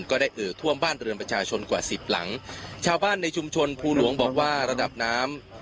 เอ่อท่วมบ้านเรือนประชาชนกว่าสิบหลังชาวบ้านในชุมชนภูหลวงบอกว่าระดับน้ำ